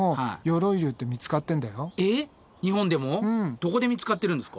どこで見つかってるんですか？